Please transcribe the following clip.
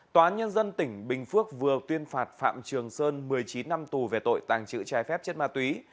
tòa nhân dân tỉnh bình phước vừa tuyên phạt phạm trường sơn một mươi chín năm tù về tội tàng trữ trái phép chất ma túy